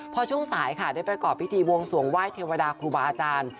พอช่วงสายค่ะได้ประกอบพิธีบวงสวงไหว้เทวดาครูบาอาจารย์